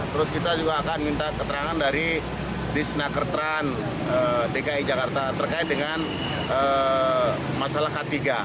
terus kita juga akan minta keterangan dari disnakertran dki jakarta terkait dengan masalah k tiga